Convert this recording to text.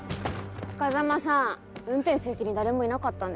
風真さん運転席に誰もいなかったんです。